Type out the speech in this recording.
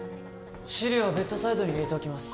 資料はベッドサイドに入れておきます